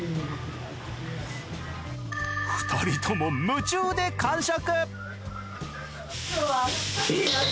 ２人とも夢中で完食！